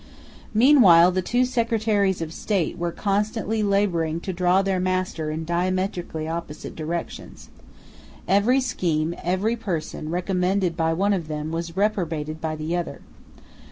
Meanwhile the two Secretaries of State were constantly labouring to draw their master in diametrically opposite directions. Every scheme, every person, recommended by one of them was reprobated by the other.